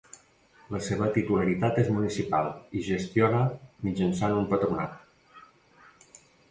La seva titularitat és municipal i gestiona mitjançant un patronat.